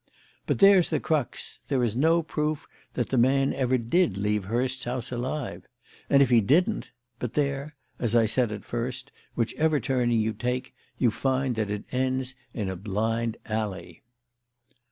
But there's the crux: there is no proof that the man ever did leave Hurst's house alive. And if he didn't but there! as I said at first, whichever turning you take, you find that it ends in a blind alley."